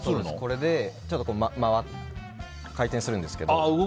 これでちょっと回転するんですけど。